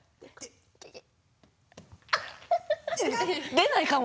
出ないかも。